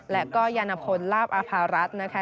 และก็ยานพลลาบอาภารัฐนะคะ